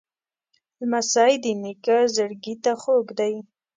لمسی د نیکه زړګي ته خوږ دی.